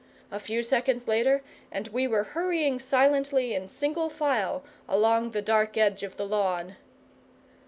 A few seconds later and we were hurrying silently in single file along the dark edge of the lawn.